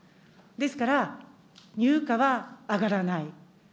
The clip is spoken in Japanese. ですから、乳価は上がらない。